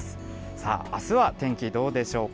さあ、あすは天気どうでしょうか。